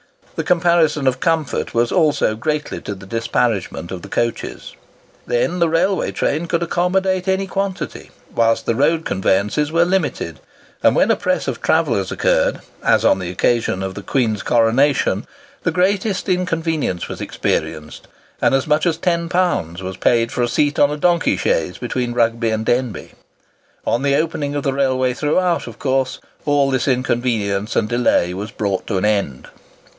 The comparison of comfort was also greatly to the disparagement of the coaches. Then the railway train could accommodate any quantity, whilst the road conveyances were limited; and when a press of travellers occurred—as on the occasion of the Queen's coronation—the greatest inconvenience was experienced, and as much as £10 was paid for a seat on a donkey chaise between Rugby and Denbigh. On the opening of the railway throughout, of course all this inconvenience and delay was brought to an end.